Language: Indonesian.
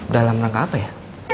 dalam rangka apa ya